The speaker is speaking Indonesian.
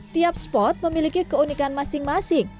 tiap spot memiliki keunikan masing masing